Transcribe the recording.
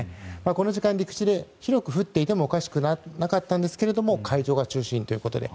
この時間陸地で広く降っていてもおかしくなかったんですけど海上が中心ということで。